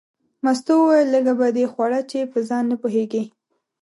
مستو وویل لږه به دې خوړه چې په ځان نه پوهېږې.